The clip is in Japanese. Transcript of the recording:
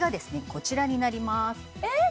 こちらになりますえっ？